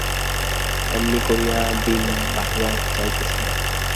এমনি করিয়া দিন বহিয়া যাইতেছিল।